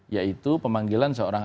yaitu pemanggilan seorang